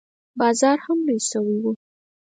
بازار هم لوى سوى و.